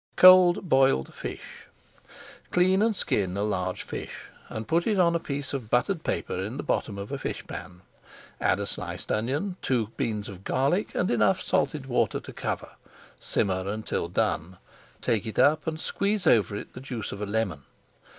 COLD BOILED FISH Clean and skin a large fish and put on a piece of buttered paper in the bottom of a fish pan. Add a sliced onion, two beans of garlic, and enough salted water to cover. Simmer until done. Take it up and squeeze over it the juice of a lemon.